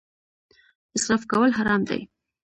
اسراف کول حرام دي